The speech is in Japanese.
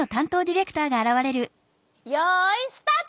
よいスタート！